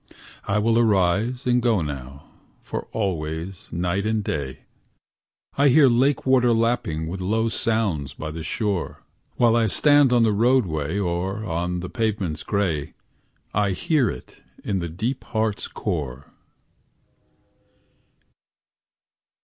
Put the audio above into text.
I will arise and go now, for always, night and day, I hear lake water lapping with low sounds by the shore; While I stand on the roadway, or on the pavements gray, I hear it in the deep heart's core.